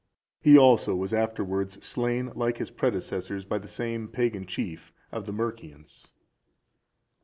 He also was afterwards slain like his predecessors by the same pagan chief of the Mercians.